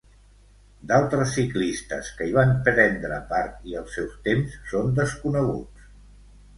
D'altres ciclistes que hi van prendre part, i els seus temps, són desconeguts.